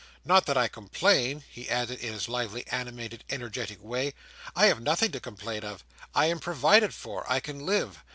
Not that I complain," he added, in his lively, animated, energetic way. "I have nothing to complain of. I am provided for. I can live.